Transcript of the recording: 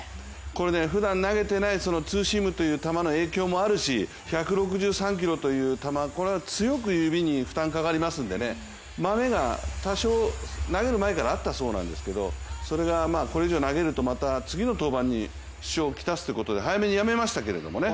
これね、ふだん投げてないツーシームという球の影響もあるし１６３キロという球、強く指に負担がかかりますのでマメが多少、投げる前からあったそうなんですけどそれがこれ以上投げるとまた次の登板に支障を来すということで早めにやめましたけれどもね。